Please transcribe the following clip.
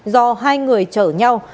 do hai người chở nhau